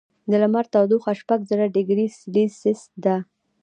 د لمر تودوخه شپږ زره ډګري سیلسیس ده.